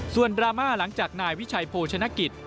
ส่วนดราม่าหลังจากนายวิชัยโภชนกิจ